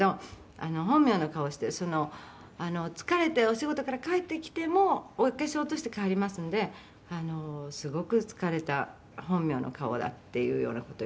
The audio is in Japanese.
「本名の顔してる疲れてお仕事から帰ってきてもお化粧を落として帰りますので“すごく疲れた本名の顔だ”っていうような事を言うんですね」